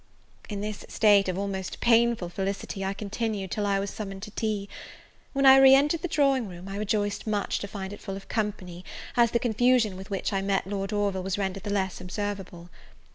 In this state of almost painful felicity I continued till I was summoned to tea. When I re entered the drawing room, I rejoiced much to find it full of company, as the confusion with which I met Lord Orville was rendered the less observable.